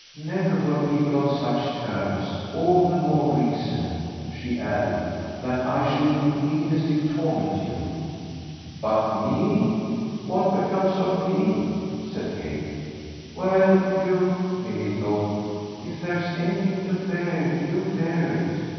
"Never were people on such terms! All the more reason," she added, "that I shouldn't needlessly torment you." "But me? what becomes of ME?" said Kate. "Well, you" Milly thought "if there's anything to bear you'll bear it."